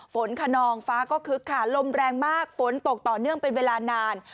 ฝนขนองฟ้าก็คึกค่ะลมแรงมากฝนตกต่อเนื่องเป็นเวลานาน